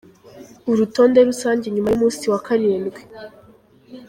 Urutonde rusange nyuma y’umunsi wa karindwi